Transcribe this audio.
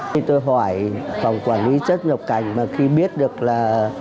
khi tôi hỏi phòng quản lý xuất nhập cảnh mà khi biết được là